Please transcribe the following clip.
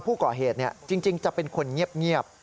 ผู้ก่อเหตุจริงจะเป็นคนเงียบ